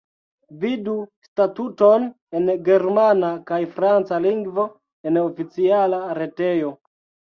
Vidu statuton en germana kaj franca lingvo en oficiala retejo.